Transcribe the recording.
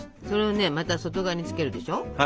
それをまた外側につけるでしょ。